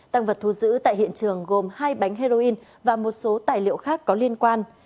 tăng vật thu giữ tại hiện trường gồm hai bánh heroin và một số tài liệu khác có liên quan